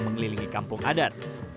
mengelilingi kampung adat